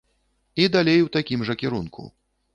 І далей у такім жа кірунку.